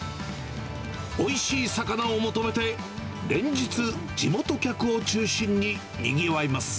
おいしい魚を求めて、連日、地元客を中心ににぎわいます。